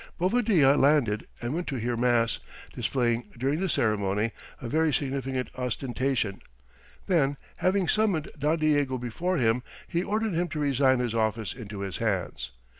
Bovadilla landed and went to hear mass, displaying during the ceremony a very significant ostentation; then, having summoned Don Diego before him, he ordered him to resign his office into his hands.